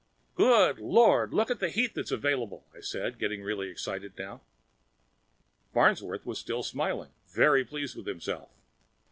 "Good Lord, look at the heat that's available!" I said, getting really excited now. Farnsworth was still smiling, very pleased with himself.